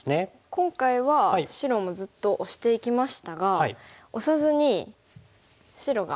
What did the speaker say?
今回は白もずっとオシていきましたがオサずに白が。